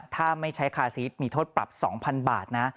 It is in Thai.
ถ้าไม่ใช้คาซีสมีโทษปรับ๒๐๐๐บาทนะ